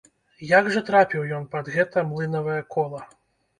Як жа трапіў ён пад гэта млынавае кола?!